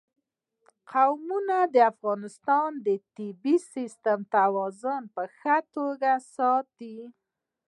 قومونه د افغانستان د طبعي سیسټم توازن په ښه توګه ساتي.